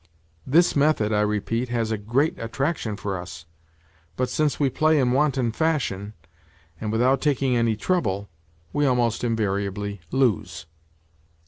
This method, I repeat, has a great attraction for us, but since we play in wanton fashion, and without taking any trouble, we almost invariably lose."